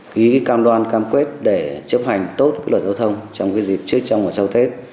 ký cam đoan cam quyết để chấp hành tốt lợi giao thông trong dịp trước trong và sau tết